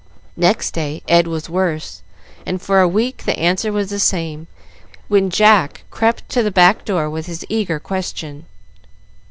Next day Ed was worse, and for a week the answer was the same, when Jack crept to the back door with his eager question.